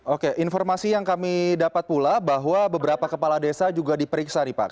oke informasi yang kami dapat pula bahwa beberapa kepala desa juga diperiksa nih pak